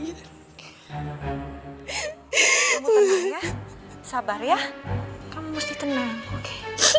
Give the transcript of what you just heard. ibu tenang ya sabar ya kamu mesti tenang oke